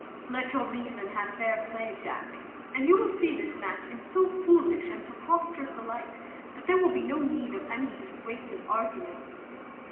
Let your reason have fair play, Jack, and you will see this match in so foolish and preposterous a light, that there will be no need of any dissuasive arguments."